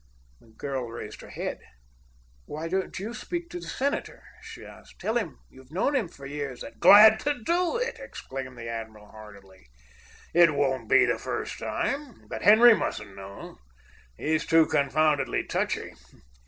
The girl raised her head. "Why don't you speak to the senator?" she asked. "Tell him you've known him for years, that——" "Glad to do it!" exclaimed the admiral heartily. "It won't be the first time. But Henry mustn't know. He's too confoundedly touchy.